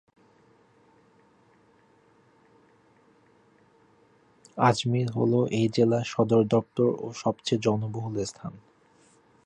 আজমির হল এ জেলার সদরদপ্তর ও সবচেয়ে জনবহুল স্থান।